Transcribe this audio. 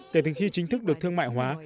kể từ khi chính thức được thương mại hóa